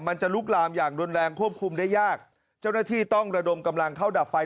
มันจะลุกลามอย่างรุนแรงควบคุมได้ยากเจ้าหน้าที่ต้องระดมกำลังเข้าดับไฟ